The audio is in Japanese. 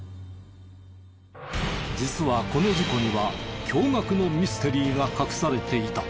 実はこの事故には驚愕のミステリーが隠されていた。